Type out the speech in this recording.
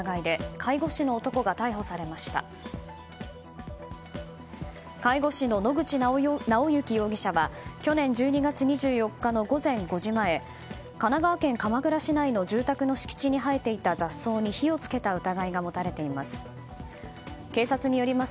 介護士の野口直之容疑者は去年１２月２４日の午前５時前神奈川県鎌倉市内の住宅の敷地に生えていた雑草に火を付けた疑いが持たれています。